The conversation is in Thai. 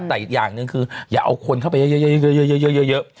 แต่อีกอย่างหนึ่งคืออย่าเอาคนเข้าไปเยอะ